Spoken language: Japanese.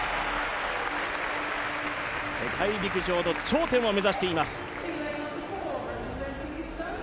世界陸上の頂点を目指しています。